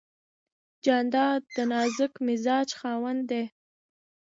جانداد د نازک مزاج خاوند دی.